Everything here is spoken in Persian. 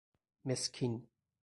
مسکین